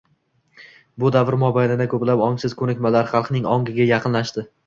Bu davr mobaynida ko‘plab ongsiz ko‘nikmalar xalqning ongiga joylashdi.